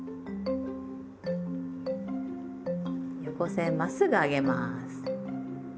横線まっすぐ上げます。